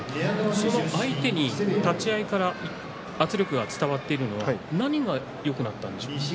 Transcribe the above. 相手に立ち合いから圧力が伝わっているのは何がよくなったんでしょうか。